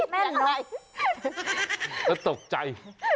แม่นหน่อยแล้วตกใจ